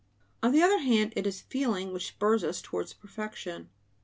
On the other hand, it is "feeling" which spurs us on towards perfection.